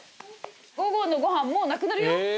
５合のご飯もうなくなるよ。